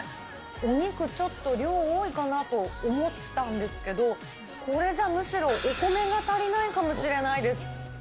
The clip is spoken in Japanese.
お肉、ちょっと量多いかなと思ったんですけど、これじゃむしろ、お米が足りないかもしれないです。